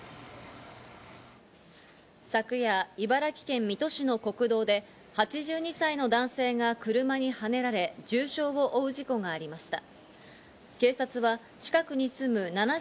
昨夜、茨城県水戸市の国道で８２歳の男性が車にはねられ重傷を負う事故がありました。